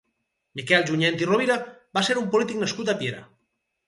Miquel Junyent i Rovira va ser un polític nascut a Piera.